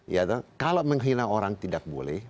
iya kalau menghina orang tidak boleh